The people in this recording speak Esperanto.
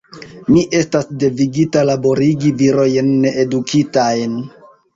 Mi estas devigita laborigi virojn needukitajn.